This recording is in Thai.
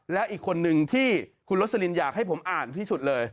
แล้วอีกคนนึงที่คุณลสลินอยากให้ผมอ่านที่สุดเลย